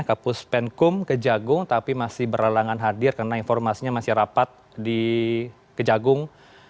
kapus penkum kejagung tapi masih berlalangan hadir karena informasinya masih rapat di kejagung